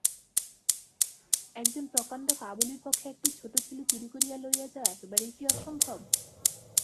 একজন প্রকাণ্ড কাবুলির পক্ষে একটি ছোটো ছেলে চুরি করিয়া লইয়া যাওয়া একেবারেই কি অসম্ভব।